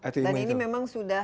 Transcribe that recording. dan ini memang sudah